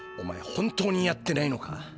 本当にやってないのか？